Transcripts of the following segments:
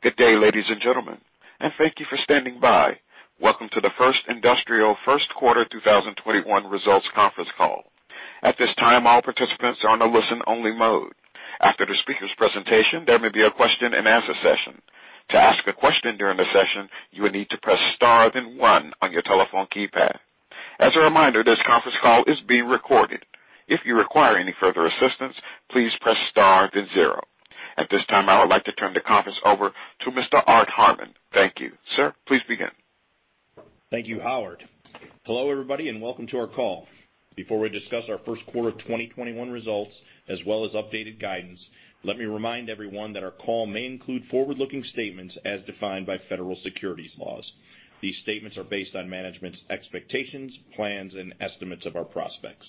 Good day, ladies and gentleman. Thank you for standing by. Welcome to the First Industrial first quarter 2021 results conference call. At this time, all participants are in a listen-only mode. After the speakers presentation, there will be a question-and-answer session. To ask a question during the session, you may press star then one on your telephone keypad. As a reminder, this conference call is being recorded. If you require any further assistance, please press star then zero. At this time, I would like to turn the conference over to Mr. Art Harmon. Thank you. Sir, please begin. Thank you, Howard. Hello, everybody, and welcome to our call. Before we discuss our first quarter 2021 results, as well as updated guidance, let me remind everyone that our call may include forward-looking statements as defined by federal securities laws. These statements are based on management's expectations, plans, and estimates of our prospects.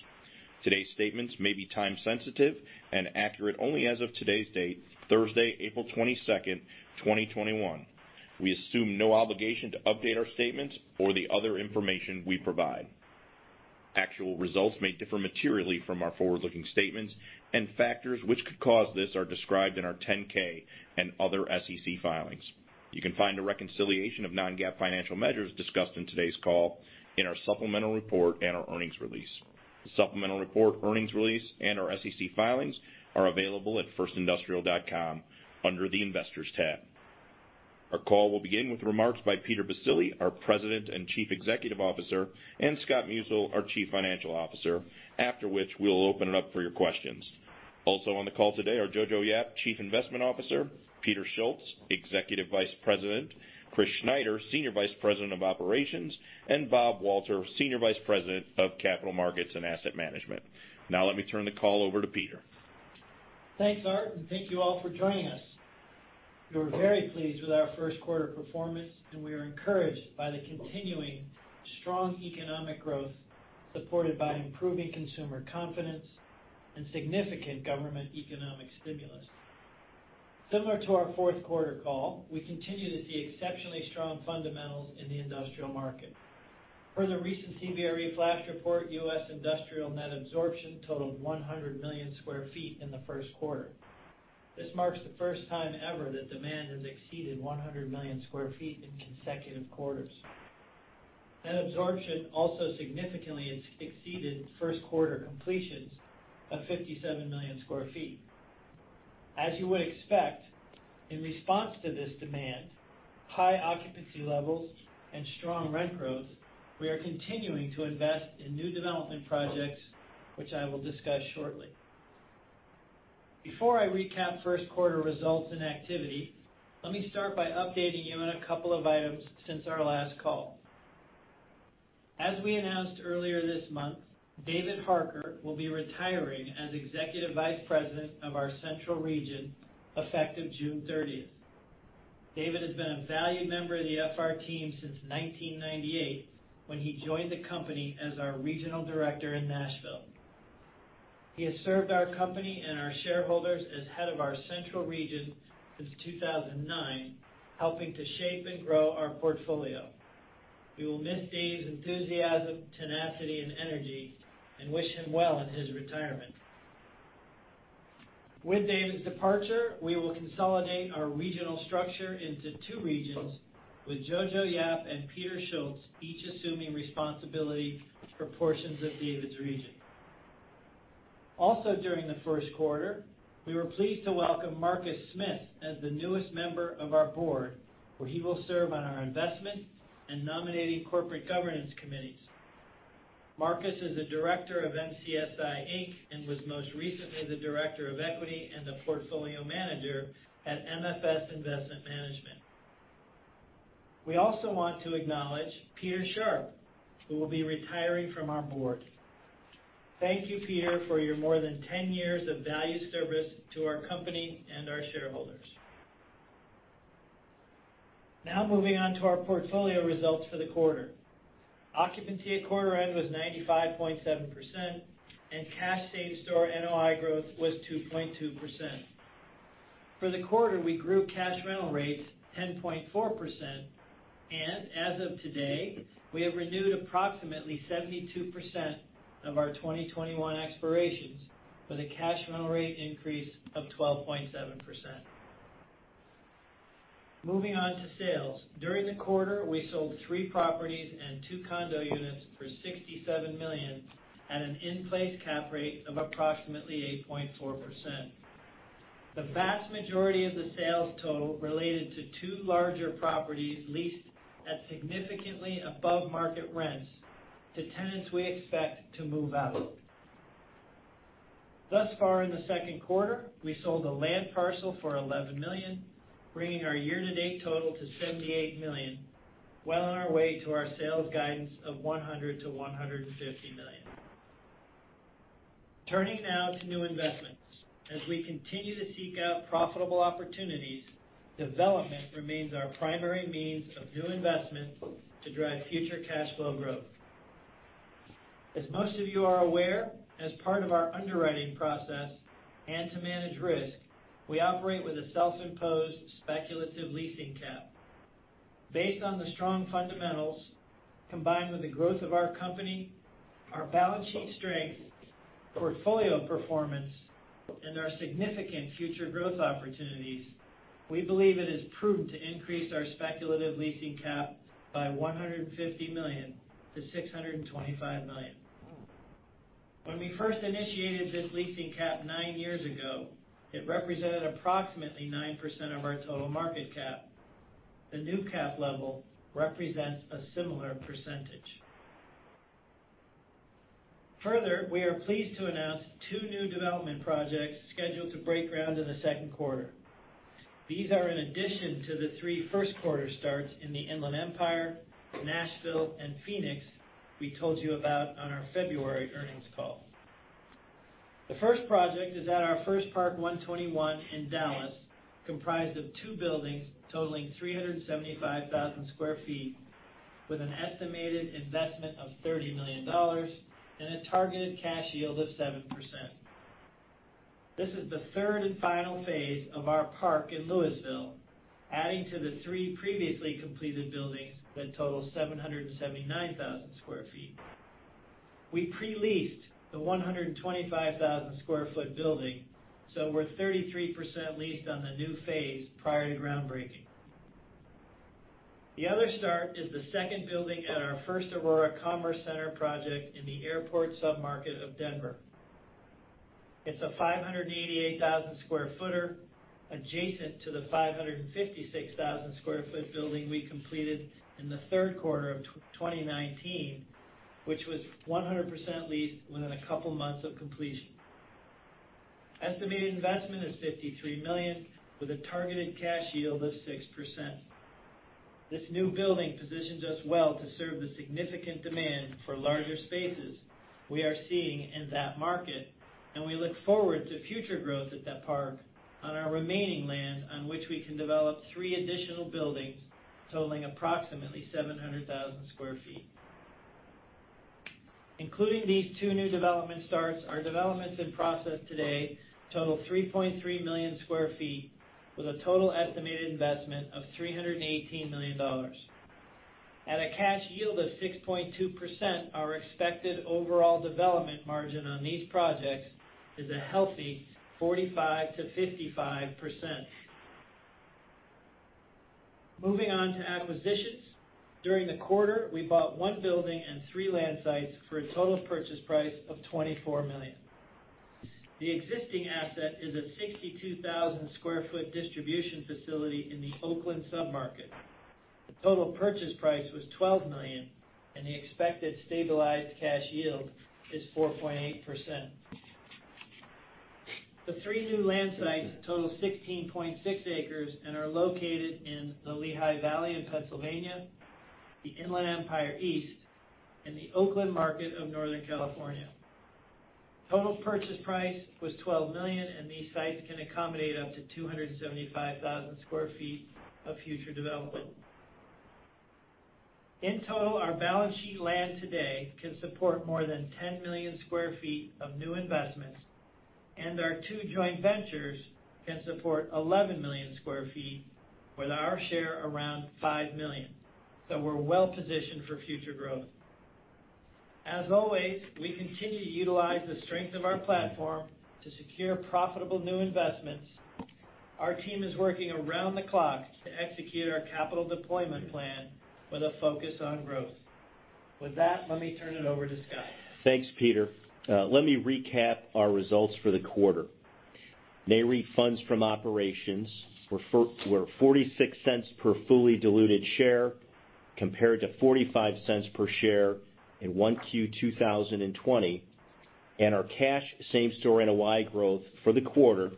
Today's statements may be time sensitive and accurate only as of today's date, Thursday, April 22nd, 2021. We assume no obligation to update our statements or the other information we provide. Actual results may differ materially from our forward-looking statements. Factors which could cause this are described in our 10-K and other SEC filings. You can find a reconciliation of non-GAAP financial measures discussed in today's call in our supplemental report and our earnings release. The supplemental report, earnings release, and our SEC filings are available at firstindustrial.com under the Investors tab. Our call will begin with remarks by Peter Baccile, our President and Chief Executive Officer, and Scott Musil, our Chief Financial Officer, after which we'll open it up for your questions. Also on the call today are Jojo Yap, Chief Investment Officer, Peter Schultz, Executive Vice President, Chris Schneider, Senior Vice President of Operations, and Robert Walter, Senior Vice President of Capital Markets and Asset Management. Now let me turn the call over to Peter. Thanks, Art, and thank you all for joining us. We were very pleased with our first quarter performance, and we are encouraged by the continuing strong economic growth supported by improving consumer confidence and significant government economic stimulus. Similar to our fourth quarter call, we continue to see exceptionally strong fundamentals in the industrial market. Per the recent CBRE Flash report, U.S. industrial net absorption totaled 100,000,000 sq ft in the first quarter. This marks the first time ever that demand has exceeded 100,000,000 sq ft in consecutive quarters. Net absorption also significantly exceeded first quarter completions of 57,000,000 sq ft. As you would expect, in response to this demand, high occupancy levels, and strong rent growth, we are continuing to invest in new development projects, which I will discuss shortly. Before I recap first quarter results and activity, let me start by updating you on a couple of items since our last call. As we announced earlier this month, David Harker will be retiring as Executive Vice President of our Central region effective June 30th. David has been a valued member of the FR team since 1998 when he joined the company as our Regional Director in Nashville. He has served our company and our shareholders as head of our Central region since 2009, helping to shape and grow our portfolio. We will miss Dave's enthusiasm, tenacity, and energy, and wish him well in his retirement. With David's departure, we will consolidate our regional structure into two regions, with Jojo Yap and Peter Schultz each assuming responsibility for portions of David's region. During the first quarter, we were pleased to welcome Marcus Smith as the newest member of our board, where he will serve on our Investment and Nominating Corporate Governance Committees. Marcus is a director of MSCI Inc. and was most recently the Director of Equity and the Portfolio Manager at MFS Investment Management. We also want to acknowledge Peter Sharpe, who will be retiring from our board. Thank you, Peter, for your more than 10 years of valued service to our company and our shareholders. Moving on to our portfolio results for the quarter. Occupancy at quarter end was 95.7%, and cash same-store NOI growth was 2.2%. For the quarter, we grew cash rental rates 10.4%, and as of today, we have renewed approximately 72% of our 2021 expirations with a cash rental rate increase of 12.7%. Moving on to sales. During the quarter, we sold three properties and two condo units for $67 million at an in-place cap rate of approximately 8.4%. The vast majority of the sales total related to two larger properties leased at significantly above market rents to tenants we expect to move out. Thus far in the second quarter, we sold a land parcel for $11 million, bringing our year-to-date total to $78 million, well on our way to our sales guidance of $100 million-$150 million. Turning now to new investments. As we continue to seek out profitable opportunities, development remains our primary means of new investment to drive future cash flow growth. As most of you are aware, as part of our underwriting process and to manage risk, we operate with a self-imposed speculative leasing cap. Based on the strong fundamentals, combined with the growth of our company, our balance sheet strength, portfolio performance, and our significant future growth opportunities, we believe it is prudent to increase our speculative leasing cap by $150 million-$625 million. When we first initiated this leasing cap nine years ago, it represented approximately 9% of our total market cap. The new cap level represents a similar percentage. Further, we are pleased to announce two new development projects scheduled to break ground in the second quarter. These are in addition to the three first-quarter starts in the Inland Empire, Nashville, and Phoenix we told you about on our February earnings call. The first project is at our First Park 121 in Dallas, comprised of two buildings totaling 375,000 sq ft, with an estimated investment of $30 million and a targeted cash yield of 7%. This is the third and final phase of our park in Lewisville, adding to the three previously completed buildings that total 779,000 sq ft. We pre-leased the 125,000 sq ft building, so we're 33% leased on the new phase prior to groundbreaking. The other start is the second building at our First Aurora Commerce Center project in the airport submarket of Denver. It's a 588,000 sq ft adjacent to the 556,000 sq ft building we completed in the third quarter of 2019, which was 100% leased within a couple of months of completion. Estimated investment is $53 million, with a targeted cash yield of 6%. This new building positions us well to serve the significant demand for larger spaces we are seeing in that market. We look forward to future growth at that park on our remaining land, on which we can develop three additional buildings totaling approximately 700,000 sq ft. Including these two new development starts, our developments in process today total 3,300,000 sq ft with a total estimated investment of $318 million. At a cash yield of 6.2%, our expected overall development margin on these projects is a healthy 45%-55%. Moving on to acquisitions. During the quarter, we bought one building and three land sites for a total purchase price of $24 million. The existing asset is a 62,000 sq ft distribution facility in the Oakland submarket. The total purchase price was $12 million, and the expected stabilized cash yield is 4.8%. The three new land sites total 16.6 acres and are located in the Lehigh Valley in Pennsylvania, the Inland Empire East, and the Oakland market of Northern California. Total purchase price was $12 million, and these sites can accommodate up to 275,000 sq ft of future development. In total, our balance sheet land today can support more than 10,000,000 sq ft of new investments, and our two joint ventures can support 11,000,000 sq ft, with our share around 5 million. We're well-positioned for future growth. As always, we continue to utilize the strength of our platform to secure profitable new investments. Our team is working around the clock to execute our capital deployment plan with a focus on growth. With that, let me turn it over to Scott. Thanks, Peter. Let me recap our results for the quarter. NAREIT funds from operations were $0.46 per fully diluted share, compared to $0.45 per share in 1Q 2020. Our cash same-store NOI growth for the quarter,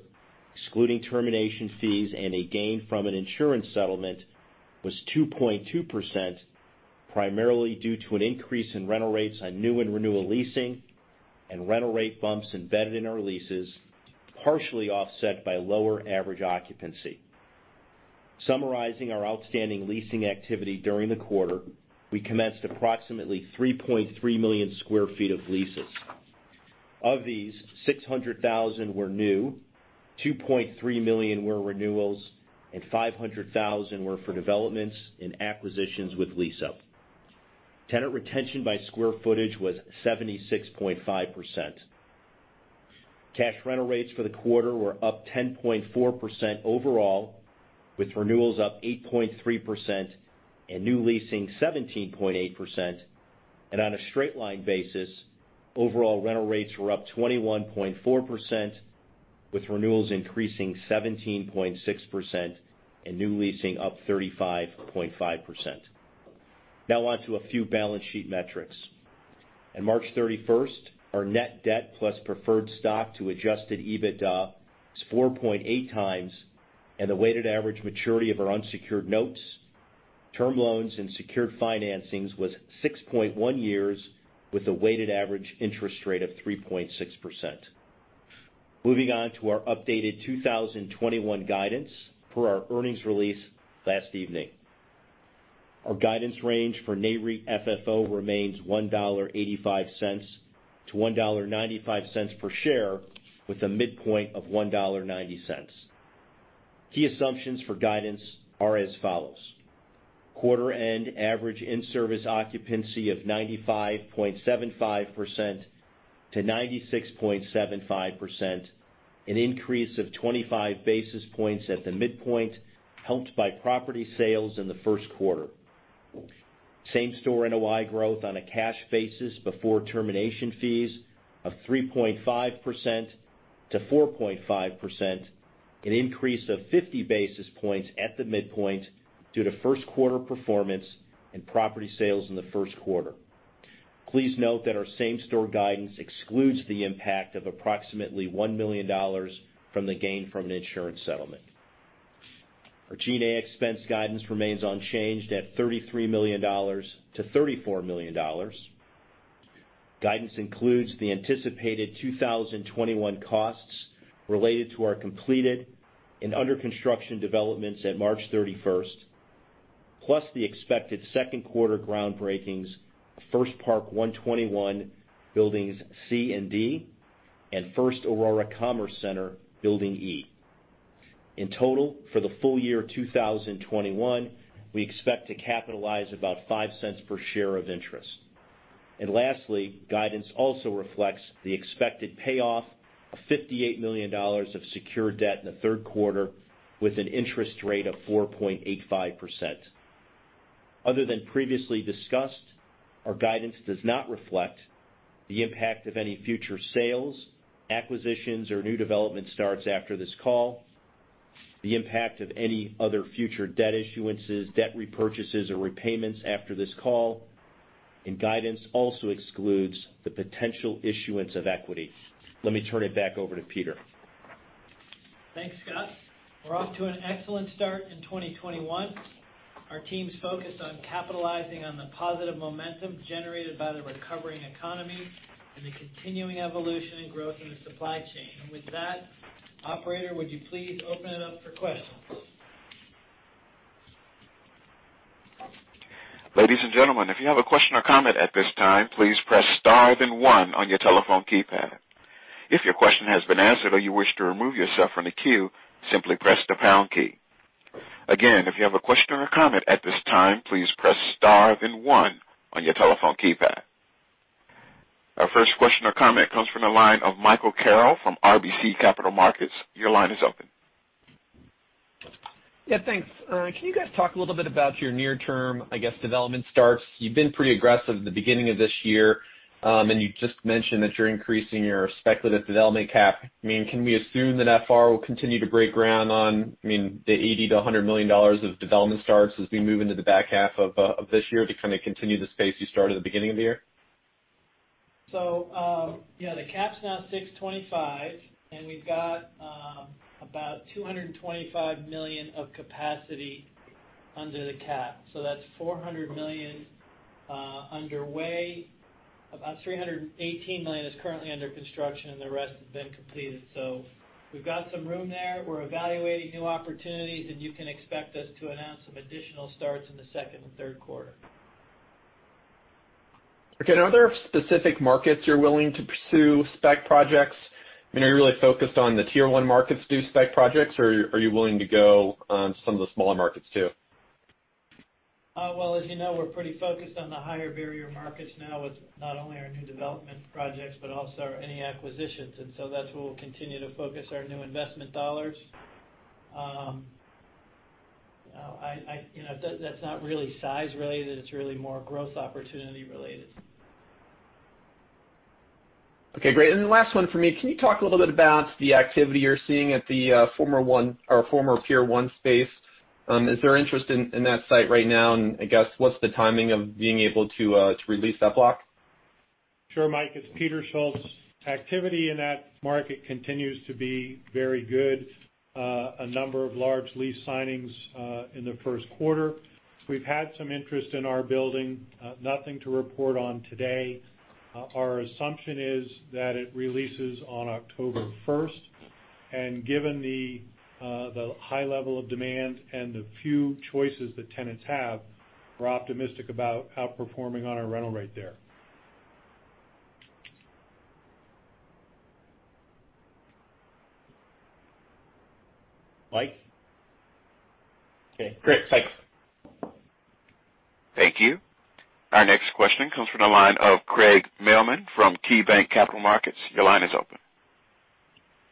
excluding termination fees and a gain from an insurance settlement, was 2.2%, primarily due to an increase in rental rates on new and renewal leasing and rental rate bumps embedded in our leases, partially offset by lower average occupancy. Summarizing our outstanding leasing activity during the quarter, we commenced approximately 3,300,000 sq ft of leases. Of these, 600,000 sq ft were new, 2,300,000 sq ft were renewals, and 500,000 sq ft were for developments and acquisitions with lease-up. Tenant retention by square footage was 76.5%. Cash rental rates for the quarter were up 10.4% overall, with renewals up 8.3% and new leasing 17.8%. On a straight-line basis, overall rental rates were up 21.4%, with renewals increasing 17.6% and new leasing up 35.5%. Now on to a few balance sheet metrics. On March 31st, our net debt plus preferred stock to adjusted EBITDA is 4.8x, and the weighted average maturity of our unsecured notes, term loans and secured financings was 6.1 years, with a weighted average interest rate of 3.6%. Moving on to our updated 2021 guidance for our earnings release last evening. Our guidance range for NAREIT FFO remains $1.85-$1.95 per share with a midpoint of $1.90. Key assumptions for guidance are as follows: quarter-end average in-service occupancy of 95.75%-96.75%, an increase of 25 basis points at the midpoint helped by property sales in the first quarter. Same-store NOI growth on a cash basis before termination fees of 3.5%-4.5%, an increase of 50 basis points at the midpoint due to first quarter performance and property sales in the first quarter. Please note that our same-store guidance excludes the impact of approximately $1 million from the gain from an insurance settlement. Our G&A expense guidance remains unchanged at $33 million-$34 million. Guidance includes the anticipated 2021 costs related to our completed and under-construction developments at March 31st, plus the expected second quarter groundbreakings of First Park 121 Buildings C and D, and First Aurora Commerce Center Building E. In total, for the full year 2021, we expect to capitalize about $0.05 per share of interest. Lastly, guidance also reflects the expected payoff of $58 million of secured debt in the third quarter with an interest rate of 4.85%. Other than previously discussed, our guidance does not reflect the impact of any future sales, acquisitions, or new development starts after this call, the impact of any other future debt issuances, debt repurchases, or repayments after this call. Guidance also excludes the potential issuance of equity. Let me turn it back over to Peter. Thanks, Scott. We're off to an excellent start in 2021. Our team's focused on capitalizing on the positive momentum generated by the recovering economy and the continuing evolution and growth in the supply chain. With that, operator, would you please open it up for questions? Ladies and gentleman, if you have a question or comment at this time, please press star then one on your telephone keypad. If your question has been answered or you wish to withdraw yourself from the queue, simply press the pound key. Again, if you have a question or comment at this time please press star then one on your telephone keypad. Our first question or comment comes from the line of Michael Carroll from RBC Capital Markets. Yeah, thanks. Can you guys talk a little bit about your near-term, I guess, development starts? You've been pretty aggressive at the beginning of this year, and you just mentioned that you're increasing your speculative development cap. Can we assume that FR will continue to break ground on the $80 million-$100 million of development starts as we move into the back half of this year to kind of continue the pace you started at the beginning of the year? Yeah, the cap's now $625 million, and we've got about $225 million of capacity under the cap. That's $400 million underway. About $318 million is currently under construction, and the rest has been completed. We've got some room there. We're evaluating new opportunities, and you can expect us to announce some additional starts in the second and third quarter. Okay. Are there specific markets you're willing to pursue spec projects? Are you really focused on the Tier 1 markets to do spec projects, or are you willing to go on some of the smaller markets, too? Well, as you know, we're pretty focused on the higher barrier markets now with not only our new development projects but also any acquisitions. That's where we'll continue to focus our new investment dollars. That's not really size related. It's really more growth opportunity related. Okay, great. The last one for me, can you talk a little bit about the activity you're seeing at the former Pier 1 space? Is there interest in that site right now, and I guess what's the timing of being able to release that block? Sure, Mike, it's Peter Schultz. Activity in that market continues to be very good. A number of large lease signings in the first quarter. We've had some interest in our building. Nothing to report on today. Our assumption is that it releases on October 1st. Given the high level of demand and the few choices that tenants have, we're optimistic about outperforming on our rental rate there. Mike? Okay, great. Thanks. Thank you. Our next question comes from the line of Craig Mailman from KeyBanc Capital Markets. Your line is open.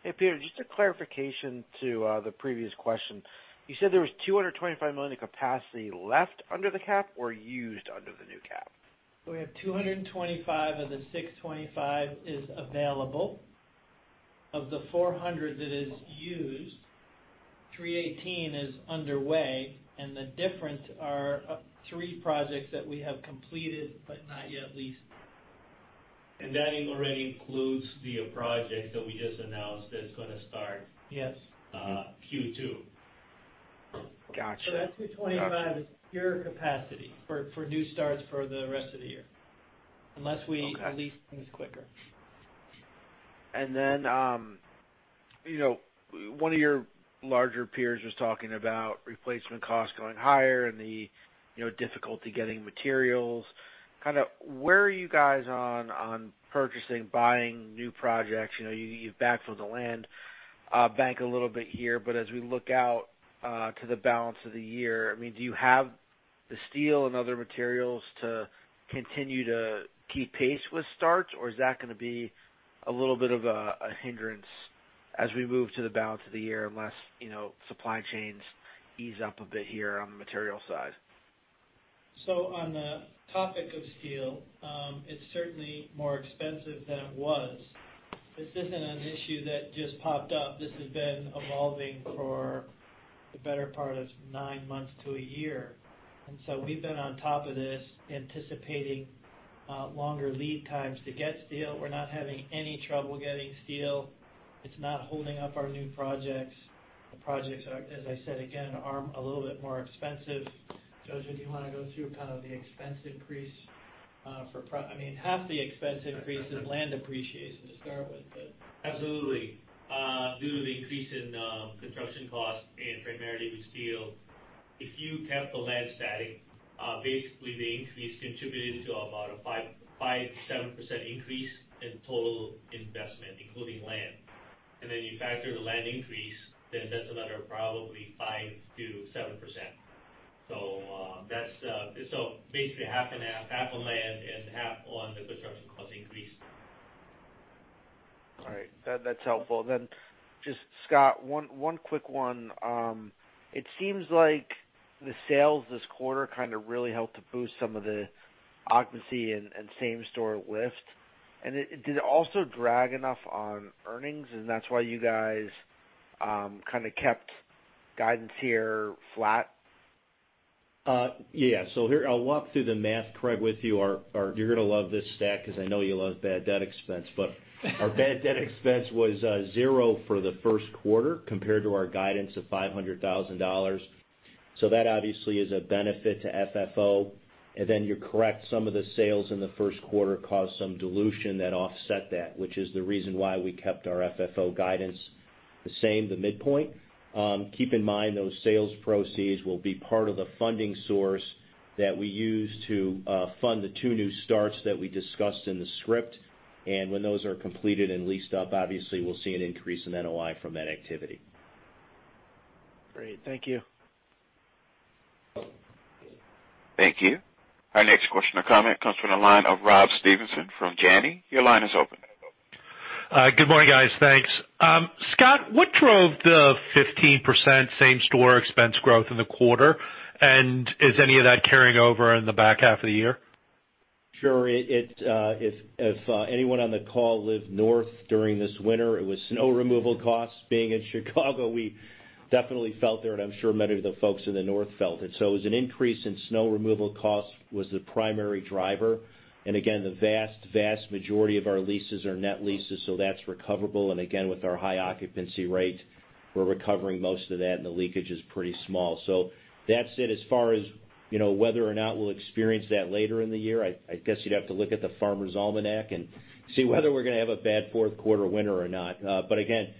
Hey, Peter, just a clarification to the previous question. You said there was $225 million of capacity left under the cap or used under the new cap? We have $225 million of the $625 million is available. Of the $400 million that is used, $318 million is underway, the difference are three projects that we have completed but not yet leased. That already includes the project that we just announced that's going to- Yes. Q2? Got you. That $225 million is pure capacity for new starts for the rest of the year, unless we lease things quicker. One of your larger peers was talking about replacement costs going higher and the difficulty getting materials. Where are you guys on purchasing, buying new projects? You've backed off the land bank a little bit here, but as we look out to the balance of the year, do you have the steel and other materials to continue to keep pace with starts, or is that going to be a little bit of a hindrance as we move to the balance of the year unless supply chains ease up a bit here on the material side? On the topic of steel, it's certainly more expensive than it was. This isn't an issue that just popped up. This has been evolving for the better part of nine months to a year. We've been on top of this, anticipating longer lead times to get steel. We're not having any trouble getting steel. It's not holding up our new projects. The projects are, as I said again, a little bit more expensive. Jojo, do you want to go through the expense increase for? Half the expense increase is land appreciation to start with. Absolutely. Due to the increase in construction costs and primarily with steel, if you kept the land static, basically the increase contributed to about a 5%-7% increase in total investment, including land. Then you factor the land increase, then that's another probably 5%-7%. Basically half on land and half on the construction cost increase. All right. That's helpful. Just Scott, one quick one. It seems like the sales this quarter really helped to boost some of the occupancy and same-store lift. Did it also drag enough on earnings, and that's why you guys kept guidance here flat? Here, I'll walk through the math, Craig, with you. You're going to love this stat because I know you love bad debt expense. Our bad debt expense was zero for the first quarter compared to our guidance of $500,000. That obviously is a benefit to FFO. You're correct, some of the sales in the first quarter caused some dilution that offset that, which is the reason why we kept our FFO guidance the same, the midpoint. Keep in mind, those sales proceeds will be part of the funding source that we use to fund the two new starts that we discussed in the script. When those are completed and leased up, obviously we'll see an increase in NOI from that activity. Great. Thank you. Thank you. Our next question or comment comes from the line of Rob Stevenson from Janney. Your line is open. Good morning, guys. Thanks. Scott, what drove the 15% same-store expense growth in the quarter? Is any of that carrying over in the back half of the year? Sure. If anyone on the call lived north during this winter, it was snow removal costs. Being in Chicago, we definitely felt it there, and I'm sure many of the folks in the north felt it. It was an increase in snow removal costs was the primary driver. The vast majority of our leases are net leases, so that's recoverable. With our high occupancy rate, we're recovering most of that and the leakage is pretty small. That said, as far as whether or not we'll experience that later in the year, I guess you'd have to look at the Farmers' Almanac and see whether we're going to have a bad fourth quarter winter or not. Again,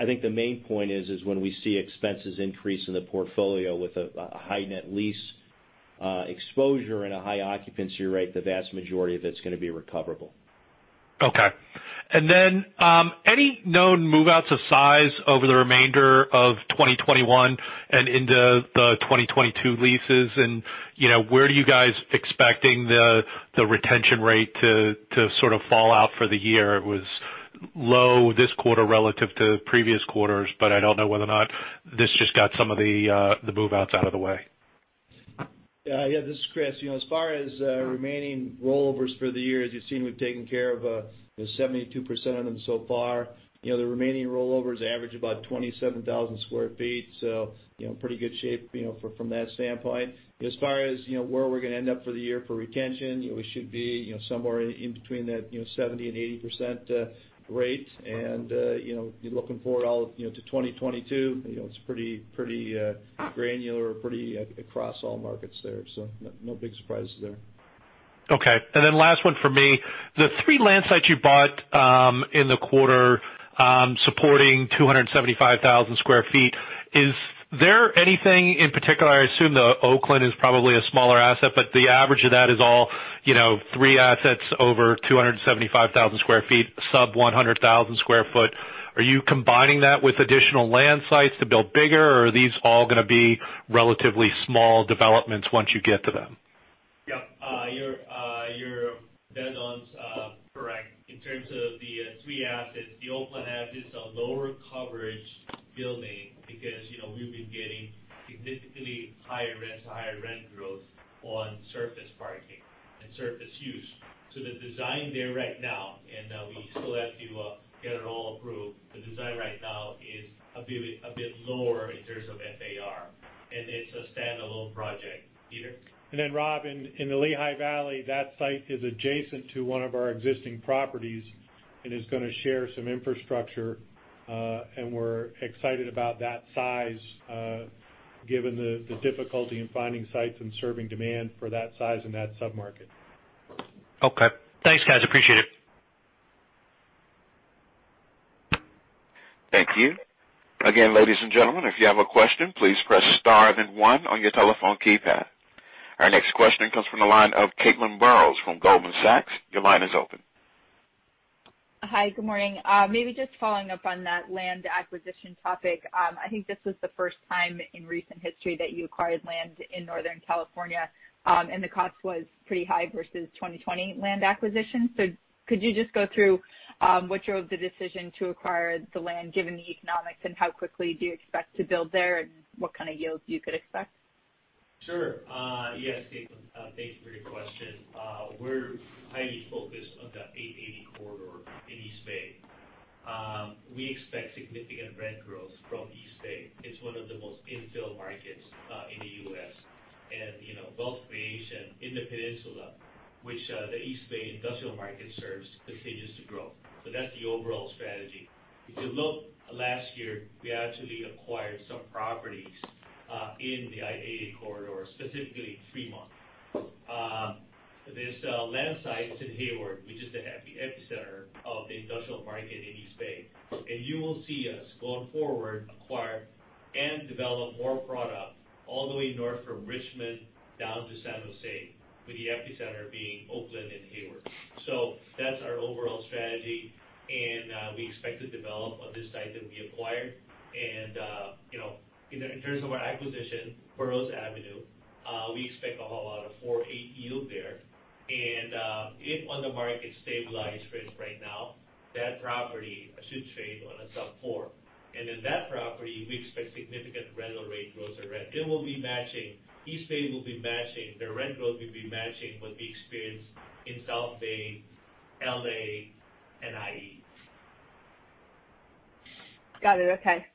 I think the main point is when we see expenses increase in the portfolio with a high net lease exposure and a high occupancy rate, the vast majority of it's going to be recoverable. Okay. Any known move-outs of size over the remainder of 2021 and into the 2022 leases, and where do you guys expecting the retention rate to sort of fall out for the year? It was low this quarter relative to previous quarters. I don't know whether or not this just got some of the move-outs out of the way. This is Chris. As far as remaining rollovers for the year, as you've seen, we've taken care of 72% of them so far. The remaining rollovers average about 27,000 sq ft, pretty good shape from that standpoint. As far as where we're going to end up for the year for retention, we should be somewhere in between that 70%-80% rate. You're looking forward all to 2022. It's pretty granular across all markets there. No big surprises there. Okay. Then last one from me. The three land sites you bought in the quarter supporting 275,000 sq ft, is there anything in particular? I assume the Oakland is probably a smaller asset, but the average of that is all three assets over 275,000 sq ft, sub-100,000 sq ft. Are you combining that with additional land sites to build bigger, or are these all going to be relatively small developments once you get to them? Yeah. You're dead on. Correct. In terms of the three assets, the Oakland asset is a lower coverage building because we've been getting significantly higher rents to higher rent growth on surface parking and surface use. The design there right now, and we still have to get it all approved, the design right now is a bit lower in terms of FAR, and it's a standalone project. Peter? Rob, in the Lehigh Valley, that site is adjacent to one of our existing properties and is going to share some infrastructure. We're excited about that size, given the difficulty in finding sites and serving demand for that size and that submarket. Okay. Thanks, guys. Appreciate it. Thank you. Again, ladies and gentleman, if you have a question please press star then one on your telephone keypad. Our next question comes from the line of Caitlin Burrows from Goldman Sachs. Your line is open. Hi. Good morning. Maybe just following up on that land acquisition topic. I think this was the first time in recent history that you acquired land in Northern California, and the cost was pretty high versus 2020 land acquisition. Could you just go through what drove the decision to acquire the land given the economics, and how quickly do you expect to build there, and what kind of yields you could expect? Sure. Yes, Caitlin. Thanks for your question. We're highly focused on the 880 Corridor in East Bay. We expect significant rent growth from East Bay. It's one of the most infill markets in the U.S. Wealth creation in the peninsula, which the East Bay industrial market serves, continues to grow. That's the overall strategy. If you look last year, we actually acquired some properties in the I-880 Corridor, specifically in Fremont. There's land sites in Hayward, which is the epicenter of the industrial market in East Bay. You will see us, going forward, acquire and develop more product all the way north from Richmond down to San Jose, with the epicenter being Oakland and Hayward. That's our overall strategy, and we expect to develop on this site that we acquired. In terms of our acquisition, Burroughs Avenue, we expect a whole lot of 4.8% yield there. If on the market stabilized rents right now, that property should trade on a sub 4%. In that property, we expect significant rental rate growth to rent. The rent growth will be matching what we experienced in South Bay, L.A., and IE. Got it. Okay.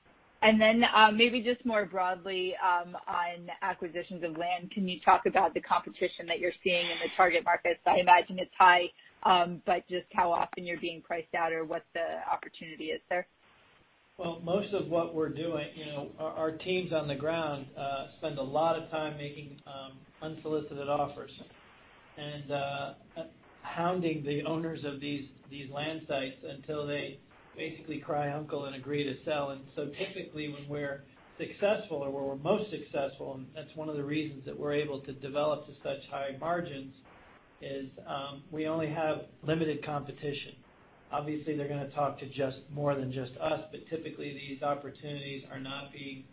Maybe just more broadly on acquisitions of land, can you talk about the competition that you're seeing in the target markets? I imagine it's high, just how often you're being priced out or what the opportunity is there. Well, most of what we're doing, our teams on the ground spend a lot of time making unsolicited offers and hounding the owners of these land sites until they basically cry uncle and agree to sell. Typically, when we're successful or where we're most successful, and that's one of the reasons that we're able to develop to such high margins, is we only have limited competition. Obviously, they're going to talk to more than just us, typically, these opportunities are not being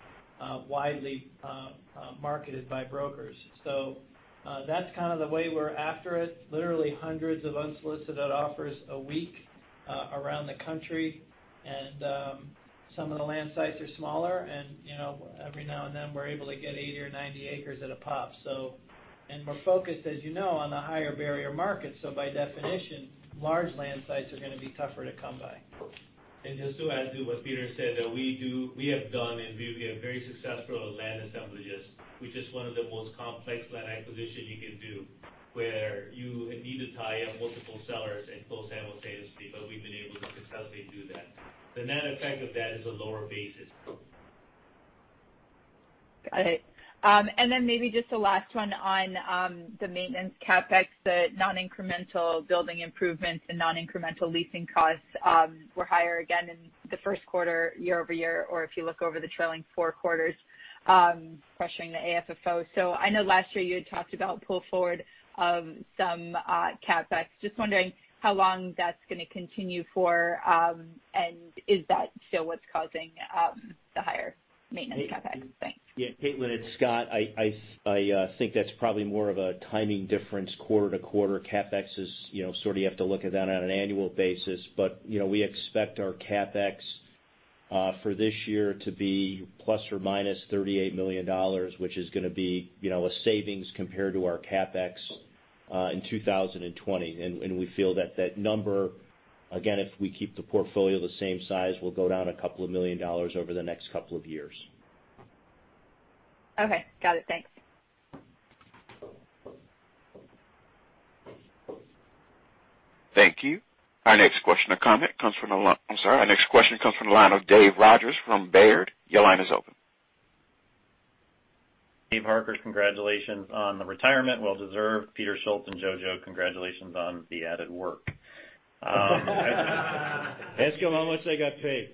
widely marketed by brokers. That's kind of the way we're after it. Literally hundreds of unsolicited offers a week around the country. Some of the land sites are smaller and every now and then we're able to get 80 acres or 90 acres at a pop. We're focused, as you know, on the higher barrier markets, so by definition, large land sites are going to be tougher to come by. Just to add to what Peter said, we have done and we've been very successful at land assemblages, which is one of the most complex land acquisition you can do, where you need to tie up multiple sellers and close simultaneously. We've been able to successfully do that. The net effect of that is a lower basis. Got it. Maybe just a last one on the maintenance CapEx, the non-incremental building improvements and non-incremental leasing costs were higher again in the first quarter year-over-year, or if you look over the trailing four quarters, pressuring the AFFO. I know last year you had talked about pull forward of some CapEx. Just wondering how long that's going to continue for, and is that still what's causing the higher maintenance CapEx? Thanks. Yeah, Caitlin, it's Scott. I think that's probably more of a timing difference quarter-to-quarter. CapEx is sort of you have to look at that on an annual basis. We expect our CapEx for this year to be ±$38 million, which is going to be a savings compared to our CapEx in 2020. We feel that that number, again, if we keep the portfolio the same size, will go down a couple of million dollars over the next couple of years. Okay. Got it. Thanks. Thank you. Our next question comes from the line of Dave Rodgers from Baird. Your line is open. David Harker. Congratulations on the retirement. Well deserved. Peter Schultz and Jojo, congratulations on the added work. Ask him how much they got paid.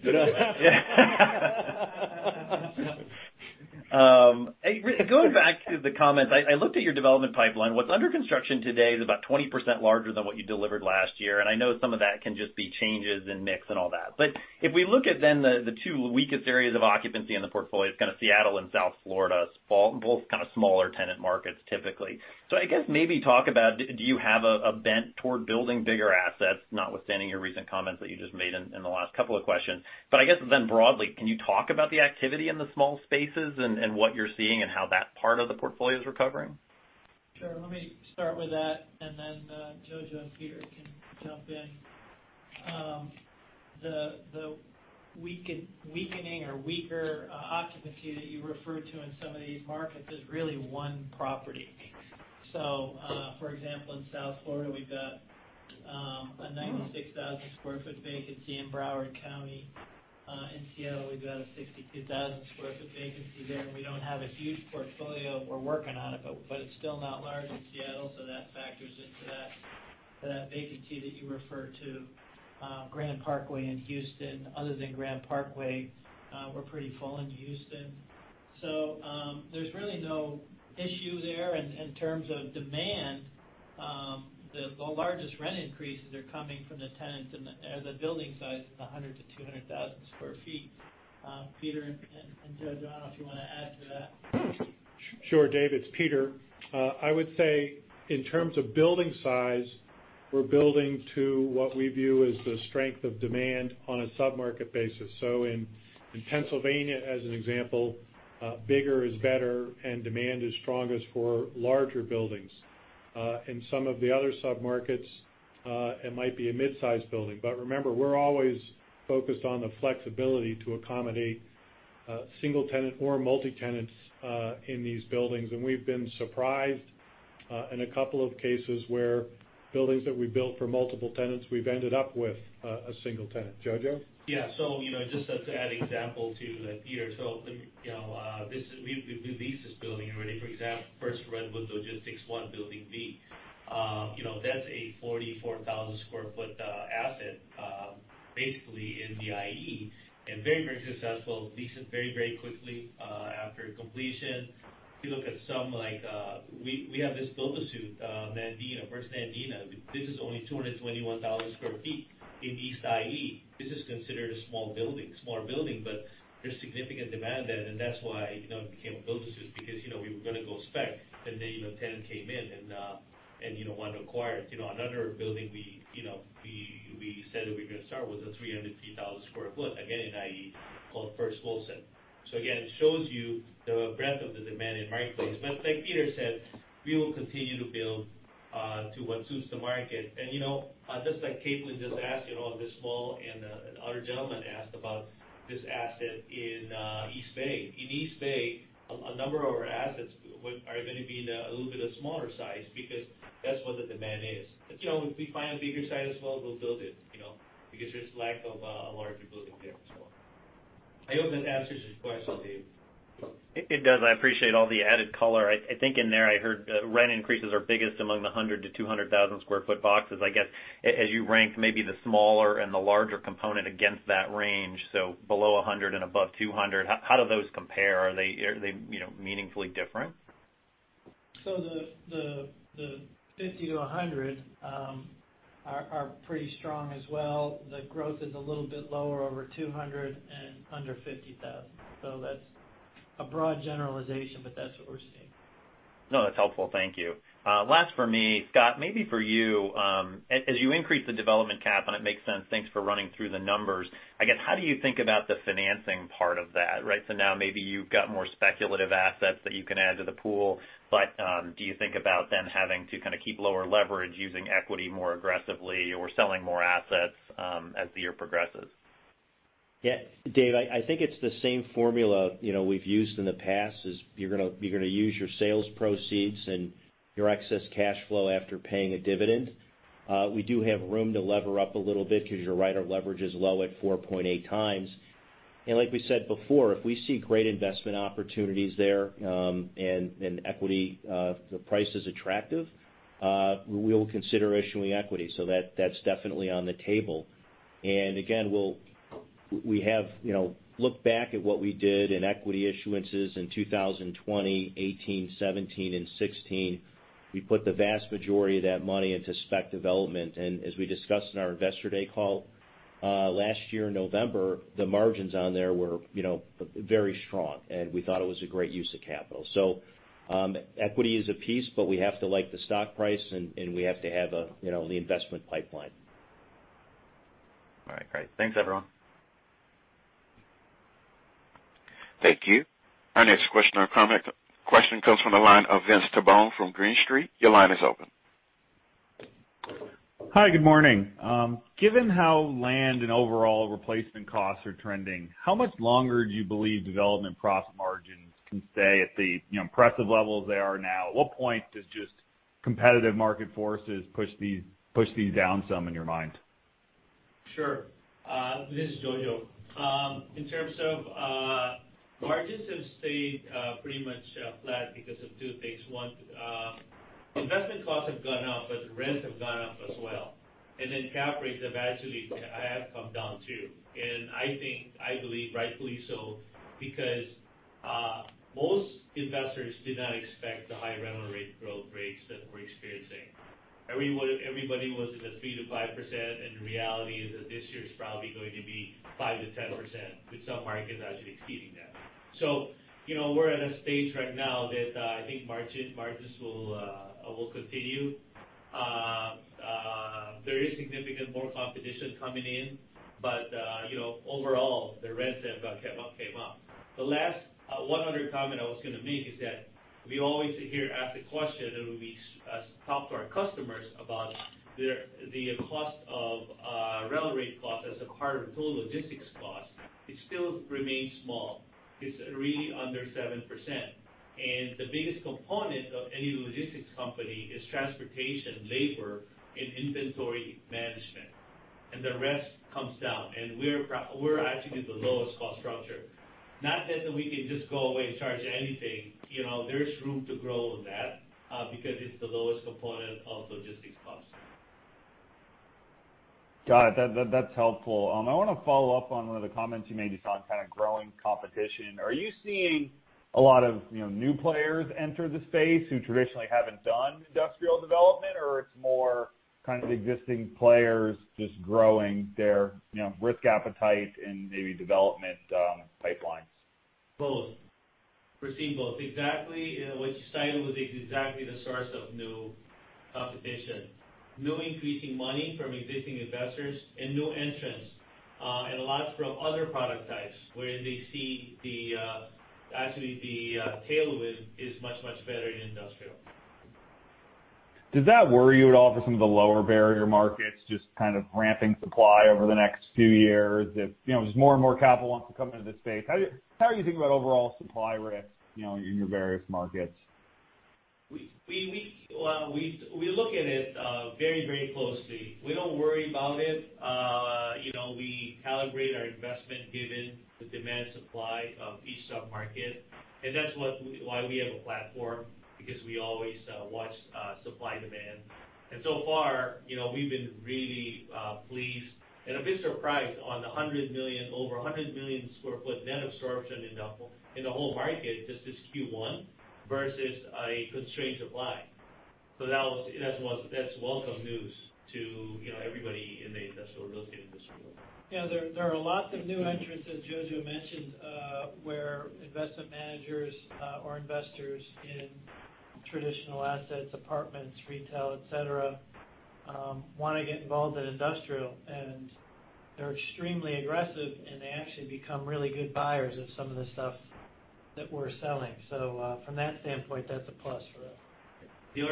Going back to the comments. I looked at your development pipeline. What's under construction today is about 20% larger than what you delivered last year. I know some of that can just be changes in mix and all that. If we look at then the two weakest areas of occupancy in the portfolio, it's kind of Seattle and South Florida, both kind of smaller tenant markets typically. I guess maybe talk about do you have a bent toward building bigger assets, notwithstanding your recent comments that you just made in the last couple of questions. I guess then broadly, can you talk about the activity in the small spaces and what you're seeing and how that part of the portfolio is recovering? Sure. Let me start with that, and then Jojo and Peter can jump in. The weakening or weaker occupancy that you referred to in some of these markets is really one property. For example, in South Florida, we've got a 96,000 sq ft vacancy in Broward County. In Seattle, we've got a 62,000 sq ft vacancy there, and we don't have a huge portfolio. We're working on it, but it's still not large in Seattle, so that factors into that vacancy that you referred to. Grand Parkway in Houston. Other than Grand Parkway, we're pretty full in Houston. There's really no issue there in terms of demand. The largest rent increases are coming from the tenants in the building size of 100,000 sq ft-200,000 sq ft. Peter and Jojo, I don't know if you want to add to that. Sure, Dave. It's Peter. I would say in terms of building size, we're building to what we view as the strength of demand on a sub-market basis. In Pennsylvania, as an example, bigger is better and demand is strongest for larger buildings. In some of the other sub-markets, it might be a mid-size building. Remember, we're always focused on the flexibility to accommodate single tenant or multi-tenants in these buildings. We've been surprised in a couple of cases where buildings that we built for multiple tenants, we've ended up with a single tenant. Jojo? Yeah. just to add example to that, Peter. We leased this building already. For example, First Redwood Logistics I, Building B, that's a 44,000 sq ft asset, basically in the IE, and very successful. Leased it very quickly after completion. If you look at some, like, We have this build-to-suit, Nandina, First Nandina. This is only 221,000 sq ft in East IE. This is considered a small building. There's significant demand there, and that's why it became a build-to-suit because we were going to go spec, and then a tenant came in and wanted to acquire it. Another building we said that we're going to start with a 303,000 sq ft, again, in IE, called First Wilson. Again, it shows you the breadth of the demand in the marketplace. Like Peter said, we will continue to build to what suits the market. Just like Caitlin just asked, the small and another gentleman asked about this asset in East Bay. In East Bay, a number of our assets are going to be a little bit of smaller size because that's what the demand is. If we find a bigger size as well, we'll build it because there's lack of larger building there as well. I hope that answers your question, Dave. It does. I appreciate all the added color. I think in there I heard rent increases are biggest among the 100,000 sq ft-200,000 sq ft boxes. I guess, as you rank maybe the smaller and the larger component against that range, so below 100,000 sq ft and above 200,000sq ft, how do those compare? Are they meaningfully different? The 50,000 sq ft-100,000 sq ft are pretty strong as well. The growth is a little bit lower over 200,000 sq ft and under 50,000 sq ft. That's a broad generalization, but that's what we're seeing. No, that's helpful. Thank you. Last for me. Scott, maybe for you, as you increase the development cap, and it makes sense, thanks for running through the numbers. I guess, how do you think about the financing part of that, right? Now maybe you've got more speculative assets that you can add to the pool, but do you think about then having to kind of keep lower leverage using equity more aggressively or selling more assets as the year progresses? Yeah. Dave, I think it's the same formula we've used in the past, is you're going to use your sales proceeds and your excess cash flow after paying a dividend. We do have room to lever up a little bit because you're right, our leverage is low at 4.8x. Like we said before, if we see great investment opportunities there, and equity, the price is attractive, we will consider issuing equity. So that's definitely on the table. Again, we have looked back at what we did in equity issuances in 2020, 2018, 2017, and 2016. We put the vast majority of that money into spec development. As we discussed in our Investor Day call, last year in November, the margins on there were very strong, and we thought it was a great use of capital. Equity is a piece, but we have to like the stock price and we have to have the investment pipeline. All right, great. Thanks, everyone. Thank you. Our next question or comment question comes from the line of Vince Tibone from Green Street. Your line is open. Hi, good morning. Given how land and overall replacement costs are trending, how much longer do you believe development profit margins can stay at the impressive levels they are now? At what point does just competitive market forces push these down some in your mind? Sure. This is Jojo. In terms of margins have stayed pretty much flat because of two things. One, investment costs have gone up, but rents have gone up as well. Cap rates have actually come down too. I think, I believe rightfully so, because most investors did not expect the high rental rate growth rates that we're experiencing. Everybody was in the 3%-5%, and reality is that this year's probably going to be 5%-10%, with some markets actually exceeding that. We're at a stage right now that I think margins will continue. There is significant more competition coming in, but overall, the rents have come up. The last one other comment I was going to make is that we always hear, ask the question, and we talk to our customers about the cost-rail rate cost as a part of total logistics cost, it still remains small. It's really under 7%. The biggest component of any logistics company is transportation, labor, and inventory management. The rest comes down. We're actually the lowest cost structure. Not that we can just go away and charge anything. There's room to grow that, because it's the lowest component of logistics costs. Got it. That's helpful. I want to follow up on one of the comments you made just on kind of growing competition. Are you seeing a lot of new players enter the space who traditionally haven't done industrial development, or it's more kind of existing players just growing their risk appetite and maybe development pipelines? Both. We're seeing both. What you cited was exactly the source of new competition. New increasing money from existing investors and new entrants, and a lot from other product types, where they see actually the tailwind is much, much better in industrial. Does that worry you at all for some of the lower barrier markets, just kind of ramping supply over the next few years if just more and more capital wants to come into this space? How are you thinking about overall supply risks in your various markets? We look at it very closely. We don't worry about it. We calibrate our investment given the demand-supply of each sub-market, and that's why we have a platform, because we always watch supply-demand. So far, we've been really pleased and a bit surprised on over 100,000,000 sq ft net absorption in the whole market, just this Q1, versus a constrained supply. That's welcome news to everybody in the industrial real estate industry. Yeah, there are lots of new entrants, as Jojo mentioned, where investment managers or investors in traditional assets, apartments, retail, et cetera, want to get involved in industrial. They're extremely aggressive, and they actually become really good buyers of some of the stuff that we're selling. From that standpoint, that's a plus for us. The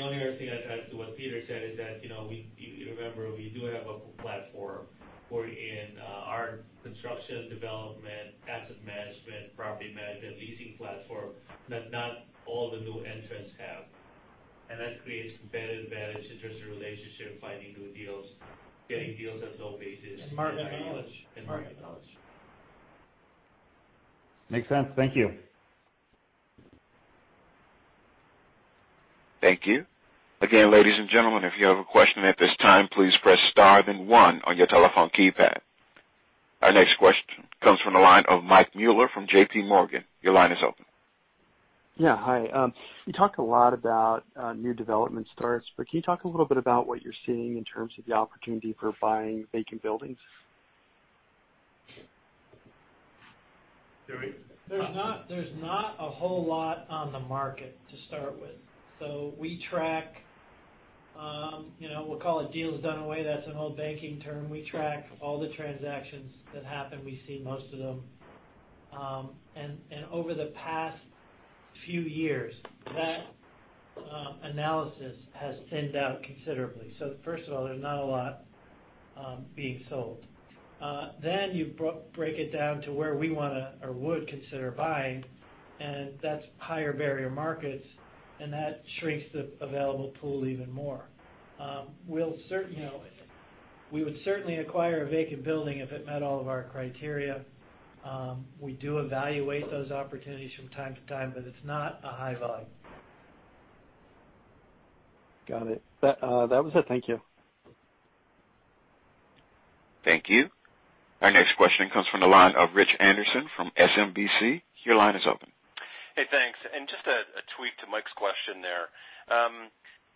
only other thing to add to what Peter said is that, if you remember, we do have a platform in our construction, development, asset management, property management, leasing platform that not all the new entrants have. That creates competitive advantage, interesting relationship, finding new deals. Market knowledge. It's market knowledge. Makes sense. Thank you. Thank you. Again, ladies and gentleman if you have a question at this time, please press star then one on your telephone keypad. Our next question comes from the line of Mike Mueller from JPMorgan. Your line is open. Yeah. Hi. You talk a lot about new development starts, but can you talk a little bit about what you're seeing in terms of the opportunity for buying vacant buildings? Sorry? There's not a whole lot on the market to start with. We track, we'll call it deals done away. That's an old banking term. We track all the transactions that happen. We see most of them. Over the past few years, that analysis has thinned out considerably. First of all, there's not a lot being sold. You break it down to where we would consider buying, and that's higher barrier markets, and that shrinks the available pool even more. We would certainly acquire a vacant building if it met all of our criteria. We do evaluate those opportunities from time to time, but it's not a high volume. Got it. That was it. Thank you. Thank you. Our next question comes from the line of Rich Anderson from SMBC. Your line is open. Hey, thanks. Just a tweak to Mike's question there.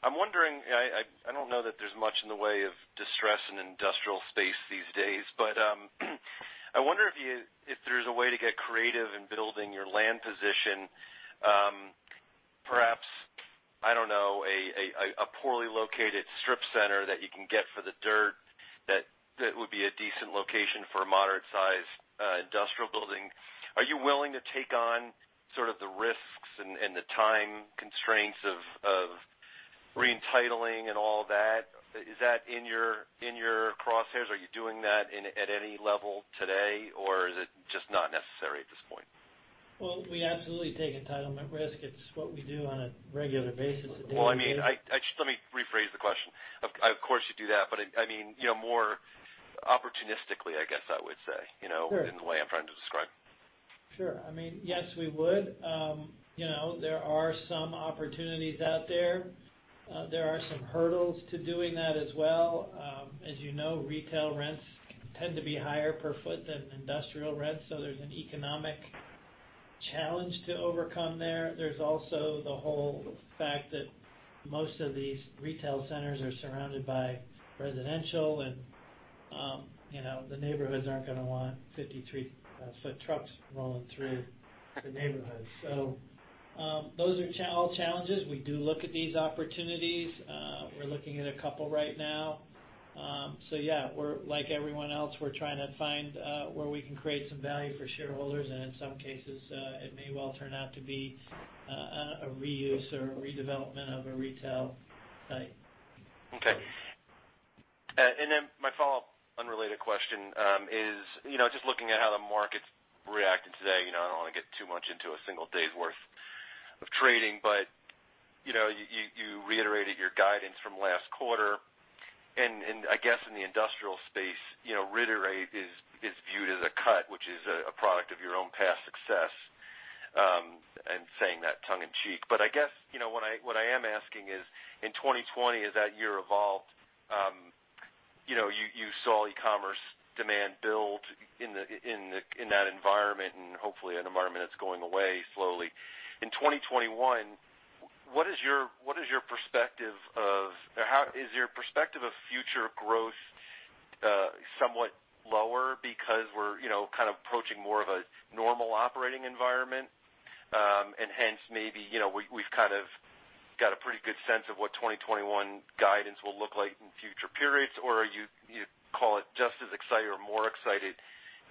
I'm wondering, I don't know that there's much in the way of distress in industrial space these days, but I wonder if there's a way to get creative in building your land position. Perhaps, I don't know, a poorly located strip center that you can get for the dirt that would be a decent location for a moderate-sized industrial building. Are you willing to take on sort of the risks and the time constraints of re-entitling and all that? Is that in your crosshairs? Are you doing that at any level today, or is it just not necessary at this point? Well, we absolutely take entitlement risk. It's what we do on a regular basis. Well, let me rephrase the question. Of course you do that. More opportunistically, I guess I would say- Sure. -in the way I'm trying to describe. Sure. Yes, we would. There are some opportunities out there. There are some hurdles to doing that as well. As you know, retail rents tend to be higher per foot than industrial rents, so there's an economic challenge to overcome there. There's also the whole fact that most of these retail centers are surrounded by residential and the neighborhoods aren't going to want 53 ft trucks rolling through the neighborhoods. Those are all challenges. We do look at these opportunities. We're looking at a couple right now. Yeah, like everyone else, we're trying to find where we can create some value for shareholders, and in some cases, it may well turn out to be a reuse or a redevelopment of a retail site. A question is just looking at how the market's reacted today. I don't want to get too much into a single day's worth of trading, but you reiterated your guidance from last quarter, and I guess in the industrial space, reiterate is viewed as a cut, which is a product of your own past success, I'm saying that tongue in cheek. I guess what I am asking is, in 2020, as that year evolved, you saw e-commerce demand build in that environment, and hopefully an environment that's going away slowly. In 2021, is your perspective of future growth somewhat lower because we're kind of approaching more of a normal operating environment? Hence, maybe we've kind of got a pretty good sense of what 2021 guidance will look like in future periods. Are you calling it just as excited or more excited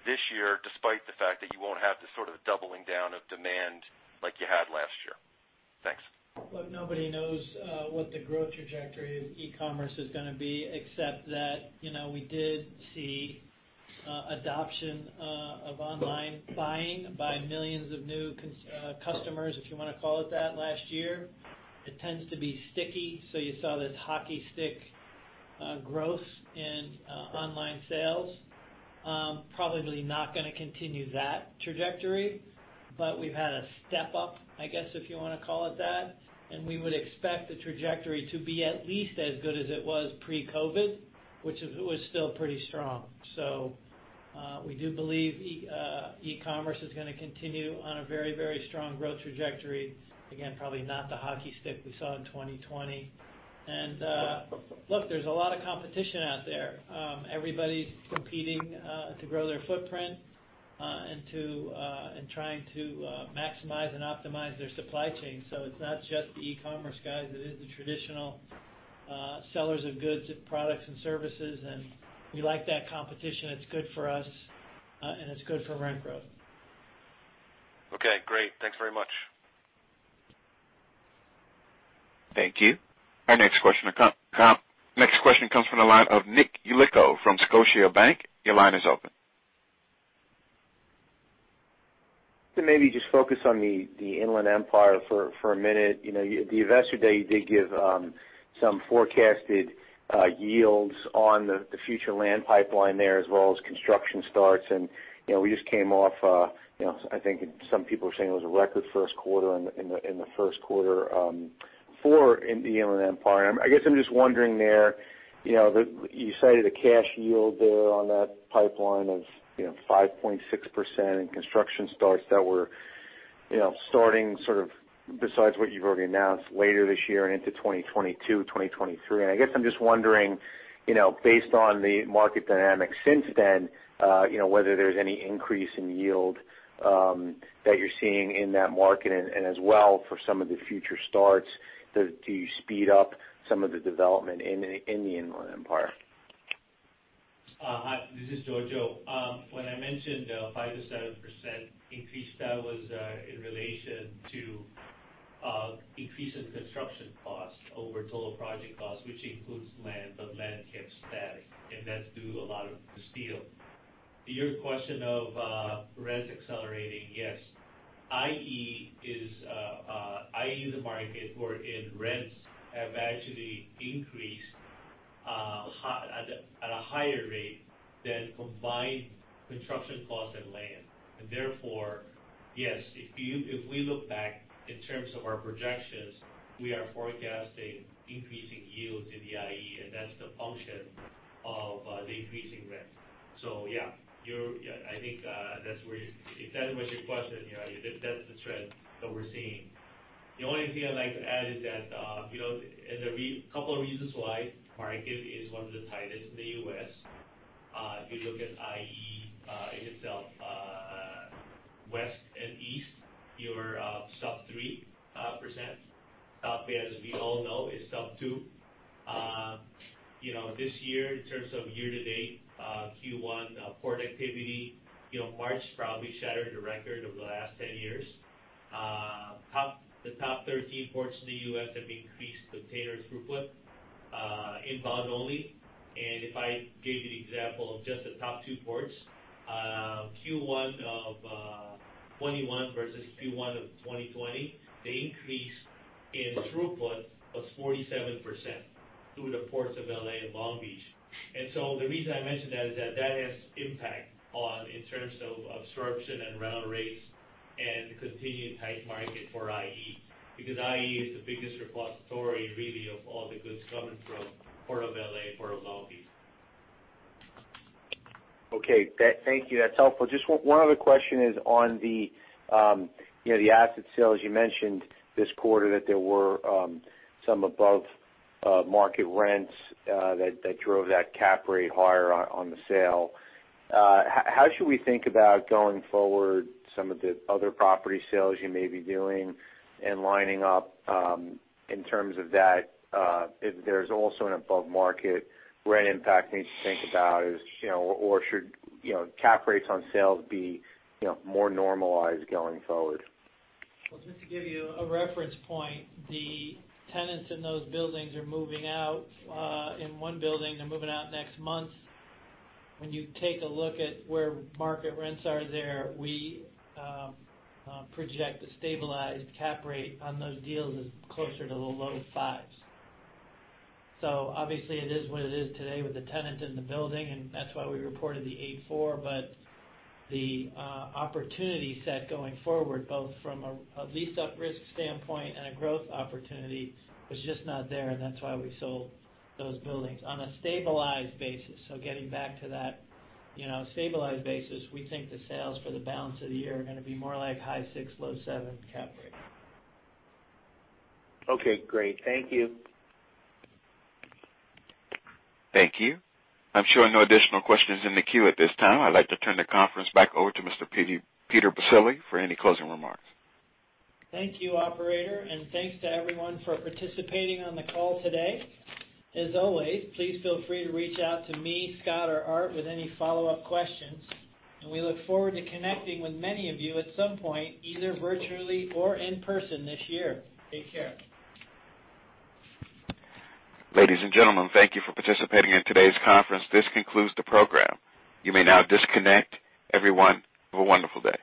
this year, despite the fact that you won't have the sort of doubling down of demand like you had last year? Thanks. Look, nobody knows what the growth trajectory of e-commerce is going to be, except that we did see adoption of online buying by millions of new customers, if you want to call it that, last year. It tends to be sticky, so you saw this hockey stick growth in online sales. Probably not going to continue that trajectory. We've had a step up, I guess if you want to call it that, and we would expect the trajectory to be at least as good as it was pre-COVID, which it was still pretty strong. We do believe e-commerce is going to continue on a very strong growth trajectory. Again, probably not the hockey stick we saw in 2020. Look, there's a lot of competition out there. Everybody's competing to grow their footprint and trying to maximize and optimize their supply chain. It's not just the e-commerce guys, it is the traditional sellers of goods, products, and services. We like that competition. It's good for us, and it's good for rent growth. Okay, great. Thanks very much. Thank you. Our next question comes from the line of Nick Yulico from Scotiabank. Your line is open. To maybe just focus on the Inland Empire for a minute. The Investor Day did give some forecasted yields on the future land pipeline there, as well as construction starts. We just came off, I think some people are saying it was a record first quarter in the first quarter for the Inland Empire. I guess I'm just wondering there, you cited a cash yield there on that pipeline of 5.6% and construction starts that were starting sort of besides what you've already announced later this year and into 2022, 2023. I guess I'm just wondering, based on the market dynamics since then, whether there's any increase in yield that you're seeing in that market, as well for some of the future starts. Do you speed up some of the development in the Inland Empire? Hi, this is Jojo. When I mentioned the 5%-7% increase, that was in relation to increase in construction cost over total project cost, which includes land. Land kept static, that's due a lot of the steel. To your question of rents accelerating, yes. IE is a market wherein rents have actually increased at a higher rate than combined construction costs and land. Therefore, yes, if we look back in terms of our projections, we are forecasting increasing yields in the IE. That's the function of the increasing rents. Yeah, I think if that was your question, that's the trend that we're seeing. The only thing I'd like to add is that there are a couple of reasons why the market is one of the tightest in the U.S. If you look at IE in itself, West and East, you're sub 3%. South Bay, as we all know, is sub 2%. This year, in terms of year-to-date, Q1 port activity, March probably shattered the record over the last 10 years. The top 13 ports in the U.S. have increased container throughput inbound only. If I gave you the example of just the top two ports, Q1 of 2021 versus Q1 of 2020, the increase in throughput was 47% through the ports of L.A. and Long Beach. The reason I mention that is that that has impact in terms of absorption and rental rates and the continuing tight market for IE. Because IE is the biggest repository really of all the goods coming from Port of L.A., Port of Long Beach. Okay. Thank you. That is helpful. Just one other question is on the asset sales. You mentioned this quarter that there were some above market rents that drove that cap rate higher on the sale. How should we think about going forward some of the other property sales you may be doing and lining up in terms of that, if there is also an above market rent impact we need to think about? Should cap rates on sales be more normalized going forward? Well, just to give you a reference point, the tenants in those buildings are moving out. In one building, they're moving out next month. When you take a look at where market rents are there, we project the stabilized cap rate on those deals is closer to the low 5%. Obviously it is what it is today with the tenant in the building, and that's why we reported the 8.4%. The opportunity set going forward, both from a lease-up risk standpoint and a growth opportunity, was just not there, and that's why we sold those buildings. On a stabilized basis, so getting back to that stabilized basis, we think the sales for the balance of the year are going to be more like high 6%, low 7% cap rate. Okay, great. Thank you. Thank you. I am showing no additional questions in the queue at this time. I would like to turn the conference back over to Mr. Peter Baccile for any closing remarks. Thank you, operator, thanks to everyone for participating on the call today. As always, please feel free to reach out to me, Scott, or Art with any follow-up questions. We look forward to connecting with many of you at some point, either virtually or in person this year. Take care. Ladies and gentlemen, thank you for participating in today's conference. This concludes the program. You may now disconnect. Everyone, have a wonderful day.